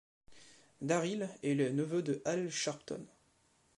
Darryl est le neveu de Al Sharpton.